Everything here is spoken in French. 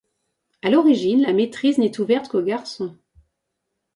À l'origine, la maîtrise n'est ouverte qu'aux garçons.